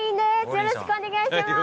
よろしくお願いします。